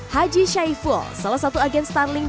haji syaiful salah satu agen starling